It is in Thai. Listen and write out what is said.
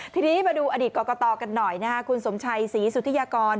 ทีนี้มาดูอดีตกรกตกันหน่อยคุณสมชัยศรีสุธิยากร